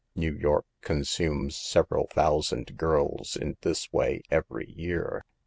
New York consumes several thou sand girls in this way every year."